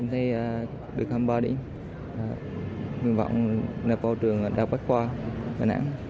em thấy được homebody vương vọng nộp hồ sơ vào trường đào bách khoa bà nẵng